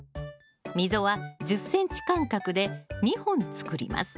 溝は１０ｃｍ間隔で２本作ります